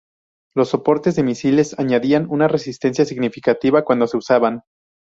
Los soportes de misiles añadían una resistencia significativa cuando se usaban.